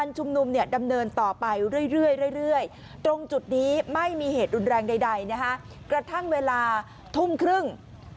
ดำเนินต่อไปเรื่อยตรงจุดนี้ไม่มีเหตุรุนแรงใดนะฮะกระทั่งเวลาทุ่มครึ่ง